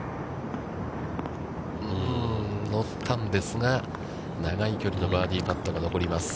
乗ったんですが、長い距離のバーディーパットが残ります。